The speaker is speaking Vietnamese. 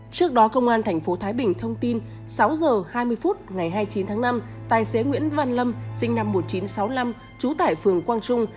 trước đó công an tp thái bình thông tin sáu h hai mươi phút ngày hai mươi chín tháng năm tài xế nguyễn văn lâm sinh năm một nghìn chín trăm sáu mươi năm trú tại phường quang trung